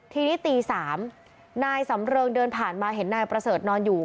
ทีนี้ตี๓นายสำเริงเดินผ่านมาเห็นนายประเสริฐนอนอยู่